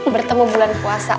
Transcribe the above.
bertemu bulan puasa